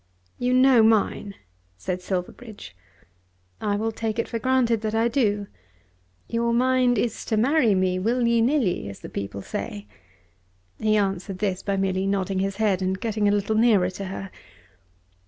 "You know mine," said Silverbridge. "I will take it for granted that I do. Your mind is to marry me will ye nill ye, as the people say." He answered this by merely nodding his head and getting a little nearer to her.